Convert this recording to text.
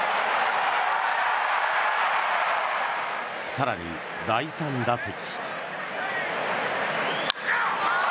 更に、第３打席。